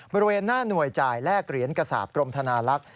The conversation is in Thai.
บริเวณหน้าหน่วยจ่ายแลกเหรียญกระสาปกรมธนาลักษณ์